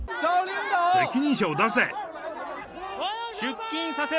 責任者を出せ！